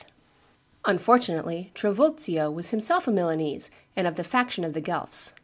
Unfortunately Trivulzio was himself a Milanese and of the faction of the Guelphs.